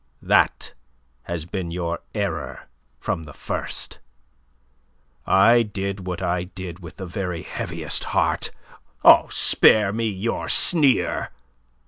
That has been your error from the first. I did what I did with the very heaviest heart oh, spare me your sneer!